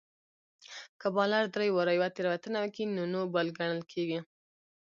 که بالر درې واري يوه تېروتنه وکي؛ نو نو بال ګڼل کیږي.